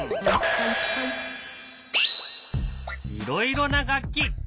いろいろな楽器。